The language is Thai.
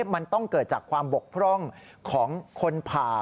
มันต้องเกิดจากความบกพร่องของคนผ่า